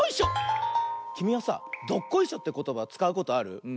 きみはさ「どっこいしょ」ってことばつかうことある？